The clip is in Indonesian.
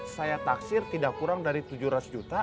saya taksir tidak kurang dari tujuh ratus juta